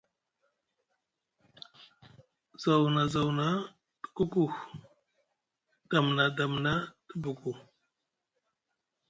Zaw na zaw na te kuku dam na dam na te buku.